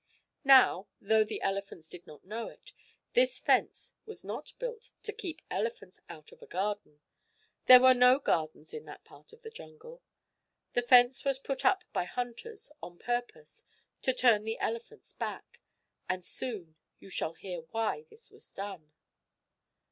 Now, though the elephants did not know it, this fence was not built to keep elephants out of a garden. There were no gardens in that part of the jungle. The fence was put up by hunters on purpose to turn the elephants back, and soon you shall hear why this was done.